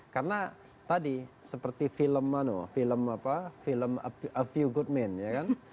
karena tadi seperti film apa film apa film a few good men ya kan